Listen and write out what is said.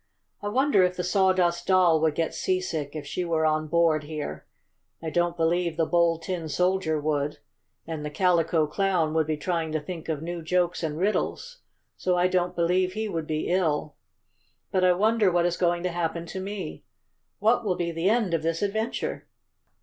"I wonder if the Sawdust Doll would get seasick if she were on board here. I don't believe the Bold Tin Soldier would, and the Calico Clown would be trying to think of new jokes and riddles, so I don't believe he would be ill. But I wonder what is going to happen to me? What will be the end of this adventure?"